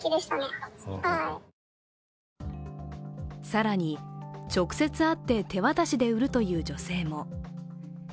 更に、直接会って手渡しで売るという女性も。